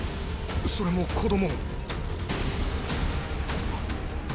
それも子供。